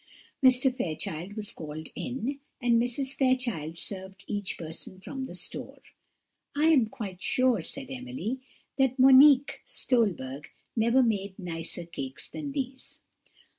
Mr. Fairchild was called in, and Mrs. Fairchild served each person from the store. "I am quite sure," said Emily, "that Monique Stolberg never made nicer cakes than these."